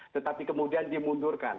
tetapi kemudian dimundurkan